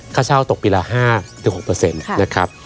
ค่าเช่าตกปีละ๕๖นะครับ